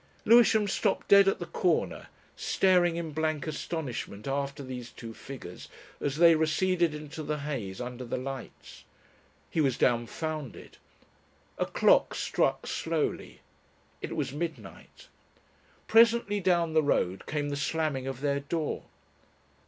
Lewisham stopped dead at the corner, staring in blank astonishment after these two figures as they receded into the haze under the lights. He was dumfounded. A clock struck slowly. It was midnight. Presently down the road came the slamming of their door.